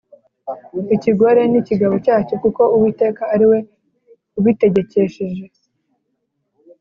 Ikigore ni ikigabo cyacyo kuko Uwiteka ari we ubitegekesheje